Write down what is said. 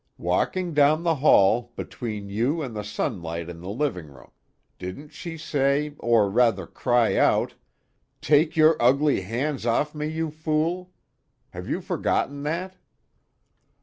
"Walking down the hall, between you and the sunlight in the living room. Didn't she say, or rather cry out: 'Take your ugly hands off me, you fool!' have you forgotten that?"